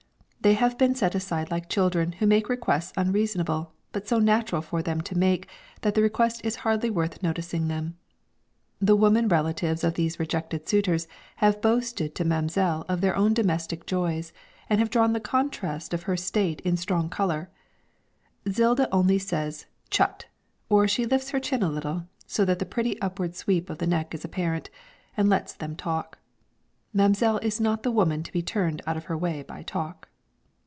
They have been set aside like children who make requests unreasonable, but so natural for them to make that the request is hardly worth noticing. The women relatives of these rejected suitors have boasted to mam'selle of their own domestic joys, and have drawn the contrast of her state in strong colour. Zilda only says 'Chut!' or she lifts her chin a little, so that the pretty upward sweep of the neck is apparent, and lets them talk. Mam'selle is not the woman to be turned out of her way by talk.